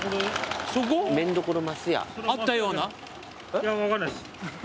いや分かんないです。